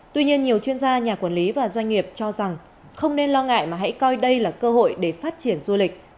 tuy nhiên nhiều chuyên gia nhà quản lý và doanh nghiệp cho rằng không nên lo ngại mà hãy coi đây là cơ hội để phát triển du lịch